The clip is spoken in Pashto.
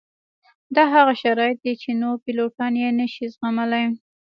دا هغه شرایط دي چې نور پیلوټان یې نه شي زغملی